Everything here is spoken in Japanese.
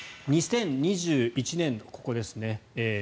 ２０２１年度、ここですね